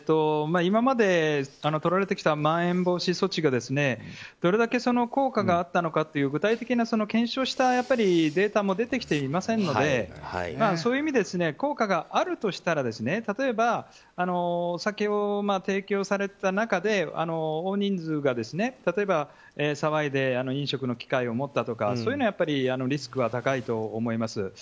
今までとられてきたまん延防止措置がどれだけ効果があったのかという具体的な検証をしたデータも出てきていませんのでそういう意味で効果があるとしたら例えば、お酒を提供されてた中で大人数が、例えば騒いで飲食の機会を持ったとかそういうのはリスクは高いと思います。